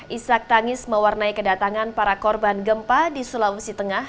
isak tangis mewarnai kedatangan para korban gempa di sulawesi tengah